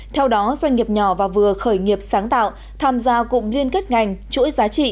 theo đó doanh nghiệp nhỏ và vừa khởi nghiệp sáng tạo tham gia cụm liên kết ngành chuỗi giá trị